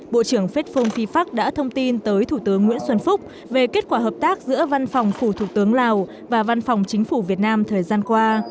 bộ trưởng phết phông phi pháp đã thông tin tới thủ tướng nguyễn xuân phúc về kết quả hợp tác giữa văn phòng phủ thủ tướng lào và văn phòng chính phủ việt nam thời gian qua